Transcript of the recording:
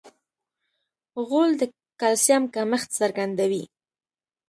غول د کلسیم کمښت څرګندوي.